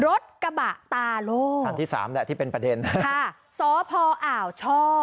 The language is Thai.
รถกระบะตาโล่คันที่สามแหละที่เป็นประเด็นค่ะสพอ่าวช่อ